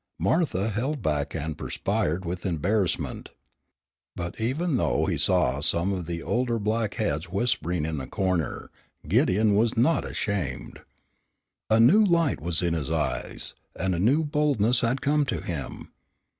Martha held back and perspired with embarrassment. But even though he saw some of the older heads whispering in a corner, Gideon was not ashamed. A new light was in his eyes, and a new boldness had come to him.